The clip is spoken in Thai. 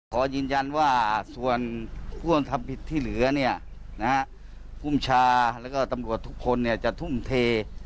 ขอยืนยันว่าส่วนผู้ทำผิดที่เหลือเนี่ยนะฮะภูมิชาแล้วก็ตำรวจทุกคนจะทุ่มเท